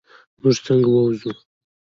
مونږ څنګه ووځو؟